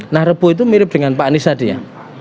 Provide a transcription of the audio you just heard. nah rebuh itu mirip dengan pak anies tadi ya